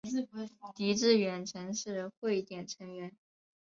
狄志远曾是汇点成员。